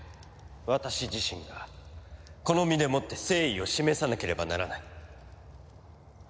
私自身がこの身でもって誠意を示さなければならない。